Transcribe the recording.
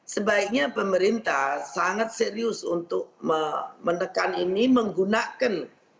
sebaiknya pemerintah sangat serius untuk menekan ini menggunakan